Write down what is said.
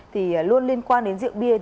thì luôn liên quan đến rượu bia